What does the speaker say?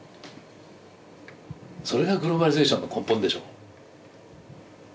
それがグローバリゼーションの根本でしょう。